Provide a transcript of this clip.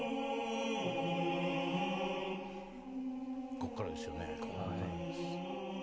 ここからですよね。